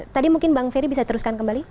tadi mungkin bang ferry bisa teruskan kembali